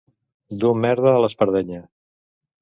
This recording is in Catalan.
Dur merda a l'espardenya.